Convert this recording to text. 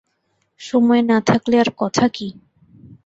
সময় না থাকলে আর কথা কি?